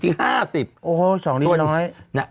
พี่โอ๊คบอกว่าเขินถ้าต้องเป็นเจ้าภาพเนี่ยไม่ไปร่วมงานคนอื่นอะได้